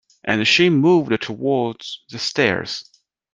And she moved towards the stairs.